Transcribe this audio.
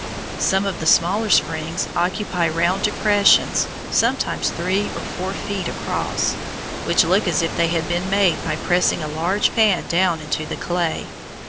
Some of the smaller springs occupy round depressions, sometimes three or four feet across, which look as if they had been made by pressing a large pan down into the clay.